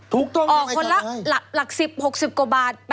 ถูกต้องนะอ๋อคนละหลัก๑๐๖๐กว่าบาท